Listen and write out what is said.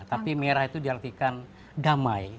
tapi merah itu diartikan damai